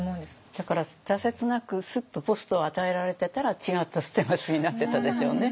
だから挫折なくスッとポストを与えられてたら違った捨松になってたでしょうね。